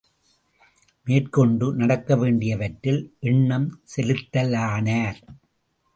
மேற்கொண்டு நடக்கவேண்டியவற்றில் எண்ணம் செலுத்தலானார்.